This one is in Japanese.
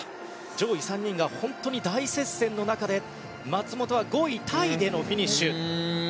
上位３人が大接戦の中で松元克央は５位タイでのフィニッシュ。